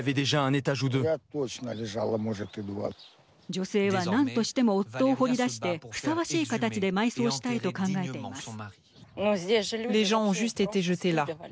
女性はなんとしても夫を掘り出してふさわしい形で埋葬したいと考えています。